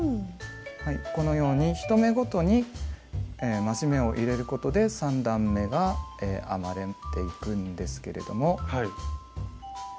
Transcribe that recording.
このように１目ごとに増し目を入れることで３段めが編まれていくんですけれども。